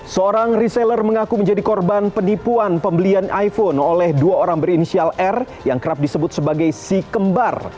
seorang reseller mengaku menjadi korban penipuan pembelian iphone oleh dua orang berinisial r yang kerap disebut sebagai si kembar